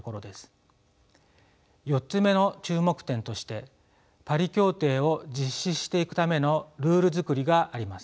４つ目の注目点としてパリ協定を実施していくためのルール作りがあります。